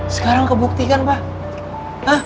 sekarang kebuktikan papa